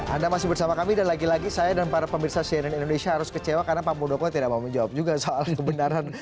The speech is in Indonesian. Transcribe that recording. anda masih bersama kami dan lagi lagi saya dan para pemirsa cnn indonesia harus kecewa karena pak muldoko tidak mau menjawab juga soal kebenaran